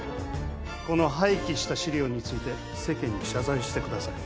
この廃棄した資料について世間に謝罪してください。